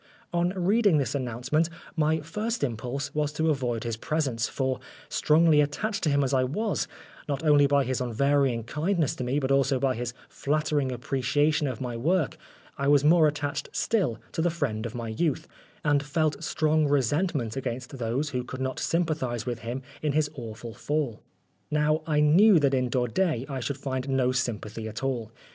On reading this announcement, my first impulse was to avoid his presence ; for, strongly attached to him as I was, not only by his unvarying kindness to me," but also by his flattering appreciation of my work, I was more attached still to the friend of my youth, and felt strong resentment against those who could not sympathise with him in his awful fall. Now, I knew that\in Daudet I should find no sympathy at all.